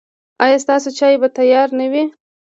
ایا ستاسو چای به تیار نه وي؟